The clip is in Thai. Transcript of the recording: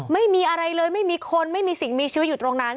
ไม่มีอะไรเลยไม่มีคนไม่มีสิ่งมีชีวิตอยู่ตรงนั้น